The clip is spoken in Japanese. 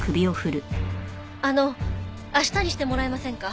あの明日にしてもらえませんか？